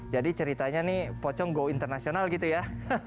jadi ceritanya nih pocong go internasional gitu ya